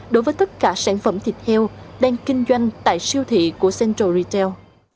đối với tất cả sản phẩm thịt heo đang kinh doanh tại siêu thị của central retail